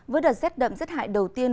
với đợt rét đậm rét hại đầu tiên